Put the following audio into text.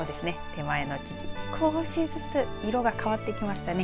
手前の木々、少しずつ色が変わってきましたね。